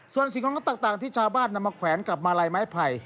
ส่วนสิ่งของต่างที่ชาวบ้านนำมาแขวนกับมาลัยไม้ไผ่